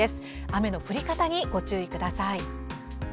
雨の降り方にご注意ください。